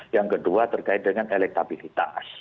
yang kedua terkait dengan elektabilitas